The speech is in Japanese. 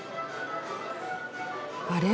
あれ？